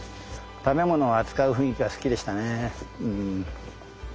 食べ物を扱う雰囲気が好きでしたねうん。